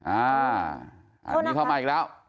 อันนี้เข้ามาอีกแล้ว